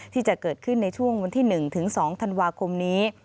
ที่จะเกิดขึ้นในช่วงวันที่๑ถึง๒ธันวาคมนี้